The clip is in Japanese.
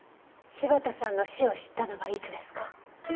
柴田さんの死を知ったのはいつですか？